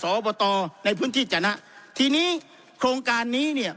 อบตในพื้นที่จนะทีนี้โครงการนี้เนี่ย